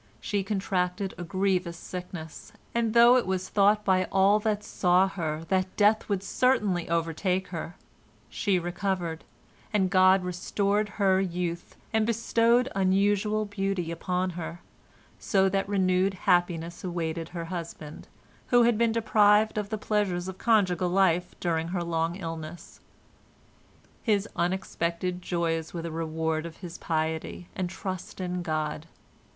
She contracted a grievous sickness, and though it was thought by all that saw her that death would certainly overtake her, she recovered, and God restored her youth, and bestowed unusual beauty upon her, so that renewed happiness awaited her husband, who had been deprived of the pleasures of conjugal life during her long illness. His unexpected joys were the reward of his piety and trust in God.